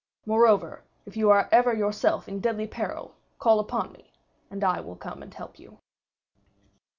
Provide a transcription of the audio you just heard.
Moreover, if you are ever yourself in deadly peril, call upon me, and I will come and help you."